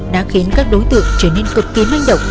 đã khiến các đối tượng trở nên cực kỳ manh động